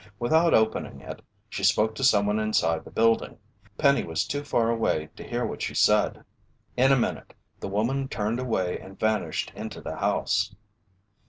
Without opening it, she spoke to someone inside the building. Penny was too far away to hear what she said. In a minute, the woman turned away and vanished into the house.